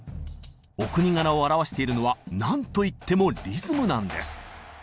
お国柄をあらわしているのはなんといってもリズムなんです。